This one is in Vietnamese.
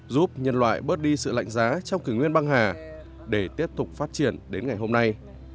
giúp nhân loại bớt đi sự lạnh giá trong kỷ nguyên băng hà để tiếp tục phát triển đến ngày hôm nay